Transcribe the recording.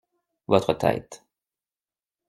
Votre tête.